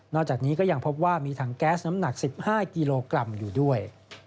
จากนี้ก็ยังพบว่ามีถังแก๊สน้ำหนัก๑๕กิโลกรัมอยู่ด้วย